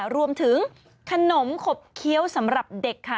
รวมถึงขนมขบเคี้ยวสำหรับเด็กค่ะ